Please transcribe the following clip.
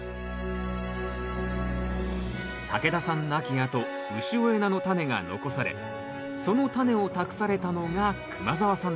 竹田さん亡きあと潮江菜のタネが残されそのタネを託されたのが熊澤さんでした。